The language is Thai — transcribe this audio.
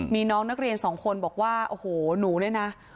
มีน้องนักเรียนสองคนบอกว่าโอ้โหหนูเนี่ยนะ